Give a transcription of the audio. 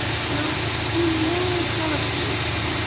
Still, we may sell a few.